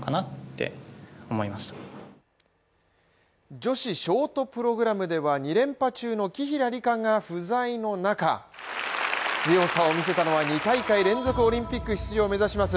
女子ショートプログラムでは２連覇中の紀平梨花が不在の中、強さを見せたのは２大会連続オリンピック出場を目指します